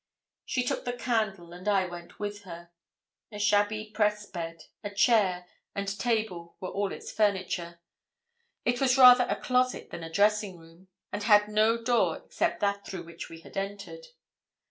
She took the candle, and I went in with her. A shabby press bed, a chair, and table were all its furniture; it was rather a closet than a dressing room, and had no door except that through which we had entered.